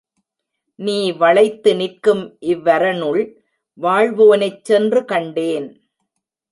நீ வளைத்து நிற்கும் இவ்வரணுள் வாழ்வோனைச் சென்று கண்டேன்.